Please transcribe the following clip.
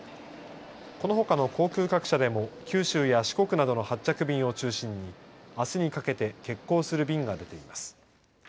このほかの航空各社でも九州や四国などの発着便を中心にあすにかけて欠航する便が出ています。